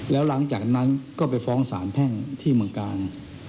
แล้วหลังจากนั้นก็ไปฟ้องสารแพ่งที่เมืองกาล